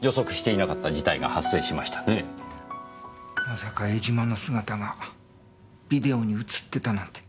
まさか江島の姿がビデオに映ってたなんて。